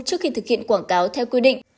trước khi thực hiện quảng cáo theo quyết định